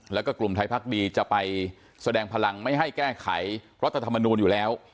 แล้วก็กลุ่มไทยพักดีจะไปแสดงพลังไม่ให้แก้ไขรัฐธรรมนูลอยู่แล้ว